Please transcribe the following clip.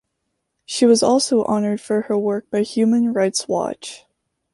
She was also honoured for her work by Human Rights Watch.